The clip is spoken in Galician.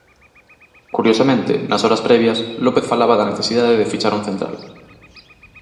Curiosamente, nas horas previas, López falaba da necesidade de fichar un central.